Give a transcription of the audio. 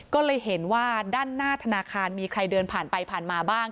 ก็เลยเห็นว่าด้านหน้าธนาคารมีใครเดินผ่านไปผ่านมาบ้าง